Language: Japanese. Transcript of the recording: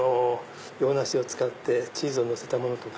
洋梨を使ってチーズをのせたものとか。